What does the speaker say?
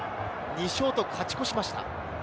２勝と勝ち越しました。